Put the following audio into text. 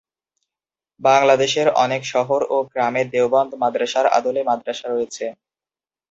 বাংলাদেশের অনেক শহর ও গ্রামে দেওবন্দ মাদ্রাসার আদলে মাদ্রাসা রয়েছে।